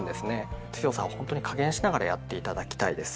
強さをほんとに加減しながらやって頂きたいです。